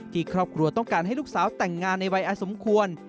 ครอบครัวต้องการให้ลูกสาวแต่งงานในวัยอสมควร